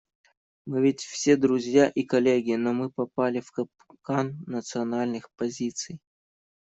Мы ведь все друзья и коллеги, но мы попали в капкан национальных позиций.